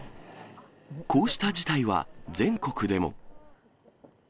こうした事態は全国でも。